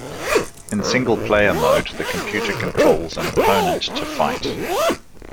In single-player mode, the computer controls an opponent to fight.